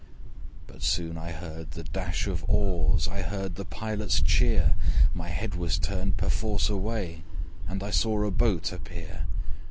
But soon I heard the dash of oars, I heard the Pilot's cheer; My head was turned perforce away And I saw a boat appear.